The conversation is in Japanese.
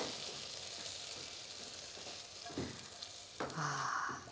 ああ。